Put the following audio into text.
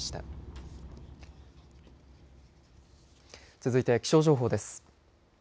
続いて気象情報です。